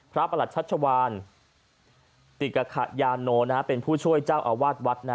ประหลัดชัชวานติกขยาโนเป็นผู้ช่วยเจ้าอาวาสวัด